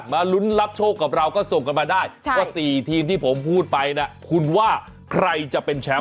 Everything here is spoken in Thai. ลุ้นรับโชคกับเราก็ส่งกันมาได้ว่า๔ทีมที่ผมพูดไปนะคุณว่าใครจะเป็นแชมป์